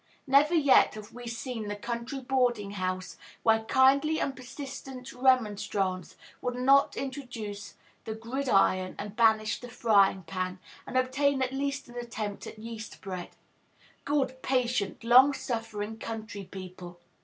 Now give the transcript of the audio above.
Never yet have we seen the country boarding house where kindly and persistent remonstrance would not introduce the gridiron and banish the frying pan, and obtain at least an attempt at yeast bread. Good, patient, long suffering country people!